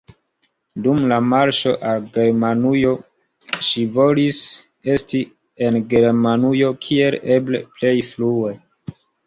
Dum la marŝo al Germanujo ŝi volis esti en Germanujo kiel eble plej frue.